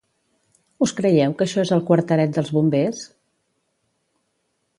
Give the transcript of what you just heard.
Us creieu que això és el quarteret dels bombers?